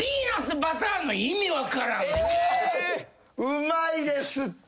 うまいですって。